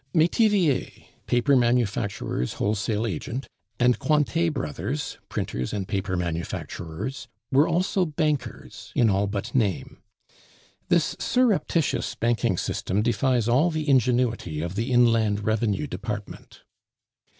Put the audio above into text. Metivier, paper manufacturers' wholesale agent, and Cointet Brothers, printers and paper manufacturers, were also bankers in all but name. This surreptitious banking system defies all the ingenuity of the Inland Revenue Department.